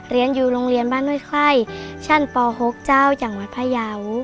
เรียนอยู่โรงเรียนบ้านห้วยไข้ชั้นป๖เจ้าจังหวัดพยาว